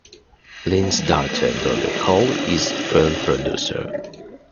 Lynn's daughter Dolly Hall is a film producer.